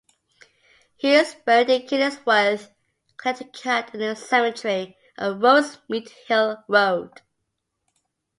He is buried in Killingworth, Connecticut, in the cemetery on Roast Meat Hill Road.